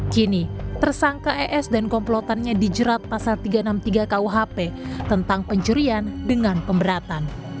kini tersangka es dan komplotannya dijerat pasal tiga ratus enam puluh tiga kuhp tentang pencurian dengan pemberatan